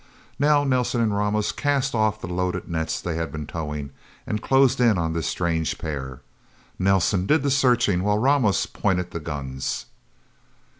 Now Nelsen and Ramos cast off the loaded nets they had been towing, and closed in on this strange pair. Nelsen did the searching, while Ramos pointed the guns.